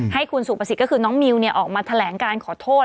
ให้คุณสุประสิทธิ์ก็คือน้องมิวออกมาแถลงการขอโทษ